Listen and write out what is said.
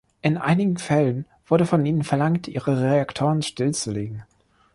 In einigen Fällen wurde von ihnen verlangt, ihre Reaktoren stillzulegen.